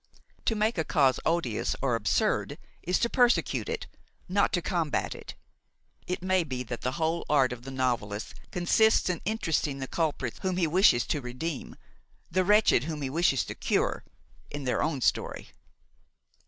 To make a cause odious or absurd is to persecute it, not to combat it. It may be that the whole art of the novelist consists in interesting the culprits whom he wishes to redeem, the wretched whom he wishes to cure, in their own story.